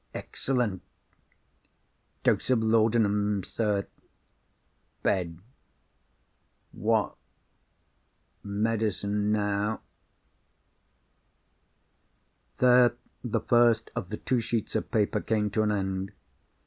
excellent ... dose of laudanum, sir ... bed ... what ... medicine now." There, the first of the two sheets of paper came to an end.